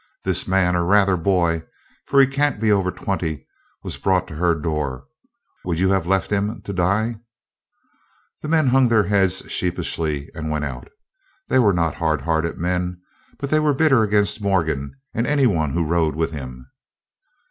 This man, or rather boy, for he can't be over twenty, was brought to her door. Would you have him left to die?" The men hung their heads sheepishly, and went out. They were not hard hearted men, but they were bitter against Morgan, and any one who rode with him.